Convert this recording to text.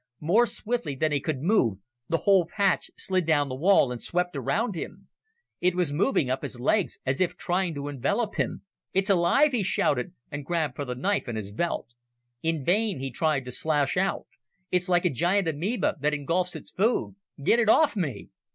More swiftly than he could move, the whole patch slid down the wall and swept around him. It was moving up his legs, as if trying to envelop him. "It's alive!" he shouted, and grabbed for the knife in his belt. In vain he tried to slash out. "It's like a giant amoeba that engulfs its food! Get it off me!"